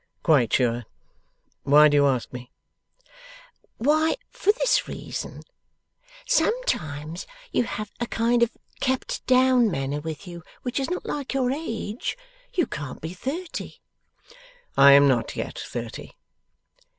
'Quite sure. Why do you ask me?' 'Why, for this reason. Sometimes you have a kind of kept down manner with you, which is not like your age. You can't be thirty?' 'I am not yet thirty.